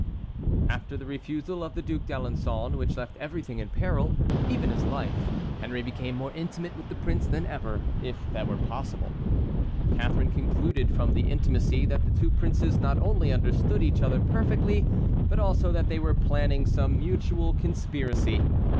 After the refusal of the Duc d'Alençon, which left everything in peril, even his life, Henry became more intimate with the prince than ever, if that were possible. Catharine concluded from the intimacy that the two princes not only understood each other perfectly, but also that they were planning some mutual conspiracy.